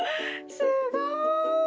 すごい！